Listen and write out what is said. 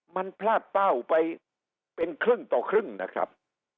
มันพลาดเป้าไปเป็นครึ่งต่อครึ่งนะครับ